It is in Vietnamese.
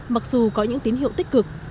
mặc dù có những tín hiệu tích cực